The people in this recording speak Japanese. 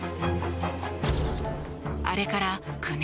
あれから９年。